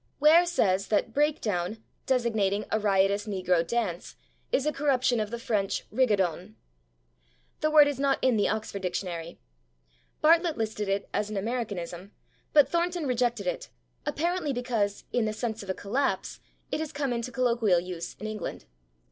Ware says that /breakdown/, designating a riotous negro dance, is a corruption of the French /rigadon/. The word is not in the Oxford Dictionary. Bartlett listed it as an Americanism, but Thornton rejected it, apparently because, in the sense of a collapse, it has come into colloquial use in England.